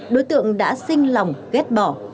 đối tượng đã xinh lòng ghét bỏ